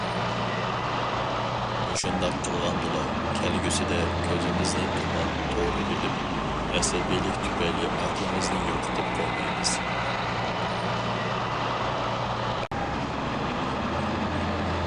مۇشۇنداق قىلغاندىلا، كەلگۈسىدە كۆزىمىزنى تۇمان تورىۋېلىپ، ئەسەبىيلىك تۈپەيلى ئەقلىمىزنى يوقىتىپ قويمايمىز.